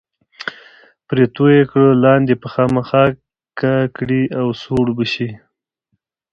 پرې توی یې کړه، لاندې به خامخا کا کړي او سوړ به شي.